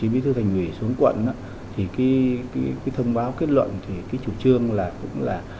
bí thư thành ủy xuống quận thông báo kết luận chủ trương là